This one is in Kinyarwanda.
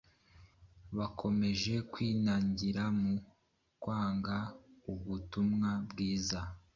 Bakomeje kwinangira mu kwanga ubutumwa bwiza,